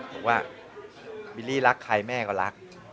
บอกว่าบิลลี่รักใครแม่ก็รัก